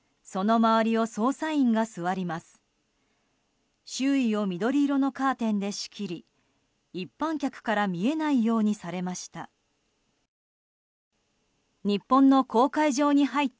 周囲を緑色のカーテンで仕切り一般客から見えないようにされました。